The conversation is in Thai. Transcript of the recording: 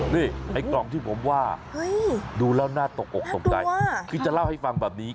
นี่ไอ้กล่องที่ผมว่าดูแล้วน่าตกอกตกใจคือจะเล่าให้ฟังแบบนี้